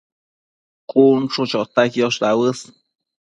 cun chu chota quiosh dauës